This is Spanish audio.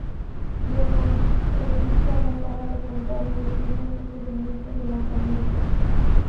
Luego, se dirige a la sala de control y detiene el procedimiento de lanzamiento.